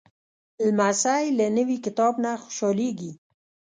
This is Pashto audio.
لمسی له نوي کتاب نه خوشحالېږي.